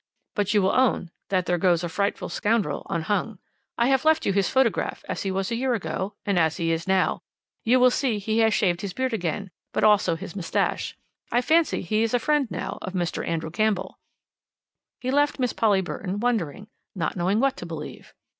But you will own that there goes a frightful scoundrel unhung. I have left you his photograph as he was a year ago, and as he is now. You will see he has shaved his beard again, but also his moustache. I fancy he is a friend now of Mr. Andrew Campbell." He left Miss Polly Burton wondering, not knowing what to believe.